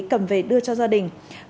cầm về đưa cho gia đình